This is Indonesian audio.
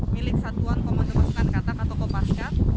milik satuan komunikasi nangkatan atau kopaskat